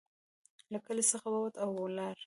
له کلي څخه ووت او ولاړ.